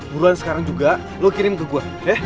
buruan sekarang juga lu kirim ke gua ya